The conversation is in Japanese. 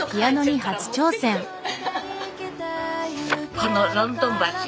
この「ロンドン橋」